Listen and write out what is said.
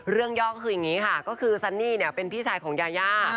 เรื่องยอกคืออย่างงี้ค่ะก็คือซันนี่เนี่ยเป็นพี่ชายของยายา